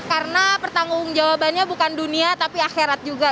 karena pertanggung jawabannya bukan dunia tapi akhirat juga